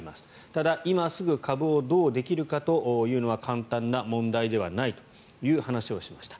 ただ、今すぐ株をどうできるかというのは簡単な問題ではないという話をしました。